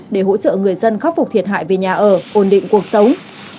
để hỗ trợ người dân khắc phục thiệt hại về nhà ở ổn định cuộc sống